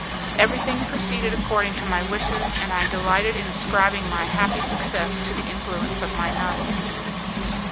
Everything proceeded according to my wishes, and I delighted in ascribing my happy success to the influence of my nun.